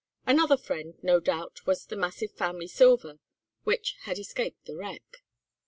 Another friend, no doubt, was the massive family silver which had escaped the wreck.